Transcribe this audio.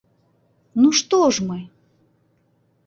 Ну што ж мы?